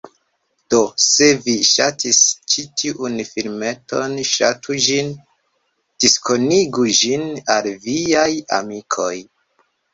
Do, se vi ŝatis ĉi tiun filmeton ŝatu ĝin, diskonigu ĝin al viaj amikoj